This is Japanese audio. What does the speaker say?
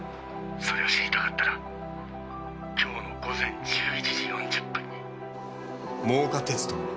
それを知りたかったら今日の午前１１時４０分に真岡鐵道